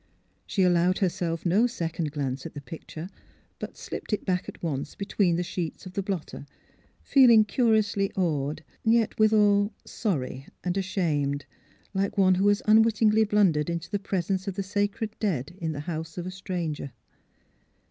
She allowed herself no second glance at the picture; but slipped it back at once between the sheets of the blotter, feeling curiously awed — ^yet, withal, sorry and ashamed, like one who has unwittingly blundered into the presence of the sacred dead in the house of a stranger.